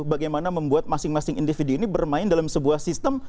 bagaimana membuat masing masing individu ini bermain dalam sebuah sistem